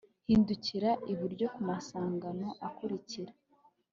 hindukirira iburyo ku masangano akurikira